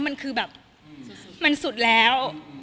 มันคือแบบมันสุดแล้ว